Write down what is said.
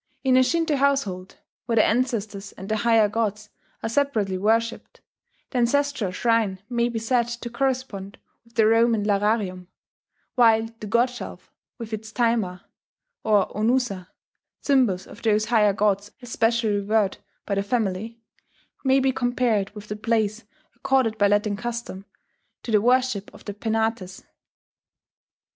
In a Shinto household, where the ancestors and the higher gods are separately worshipped, the ancestral shrine may be said to correspond with the Roman lararium; while the "god shelf," with its taima or o nusa (symbols of those higher gods especially revered by the family), may be compared with the place accorded by Latin custom to the worship of the Penates.